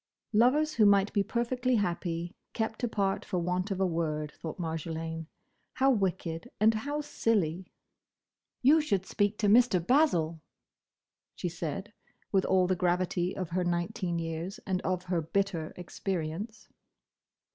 Lovers who might be perfectly happy, kept apart for want of a word, thought Marjolaine. How wicked, and how silly! "You should speak to Mr. Basil," she said, with all the gravity of her nineteen years and of her bitter experience.